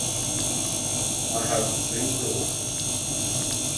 I have three daughters.